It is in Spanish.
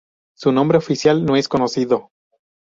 Su nombre oficial no es conocido.